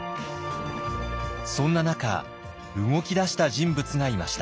そんな中動き出した人物がいました。